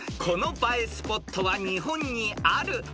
［この映えスポットは日本にある］